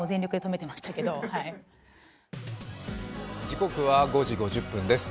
時刻は５時５０分です。